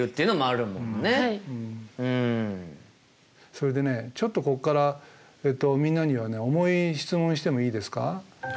それでねちょっとこっからみんなにはね重い質問してもいいですか？